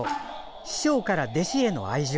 師匠から弟子への愛情。